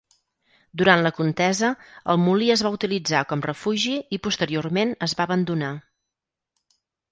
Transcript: Durant la contesa, el molí es va utilitzar com refugi i posteriorment es va abandonar.